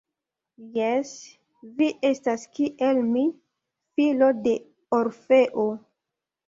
Jes, vi estas kiel mi, filo de Orfeo.